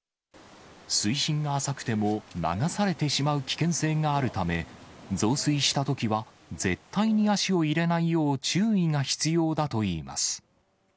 水深が浅くても流されてしまう危険性があるため、増水したときは、絶対に足を入れないよう注意が必要だといいます。